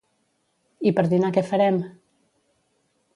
I per dinar què farem?